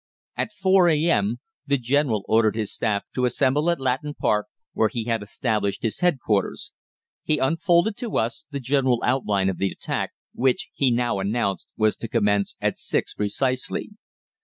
At 4 a.m. the General ordered his staff to assemble at Latton Park, where he had established his headquarters. He unfolded to us the general outline of the attack, which, he now announced, was to commence at six precisely.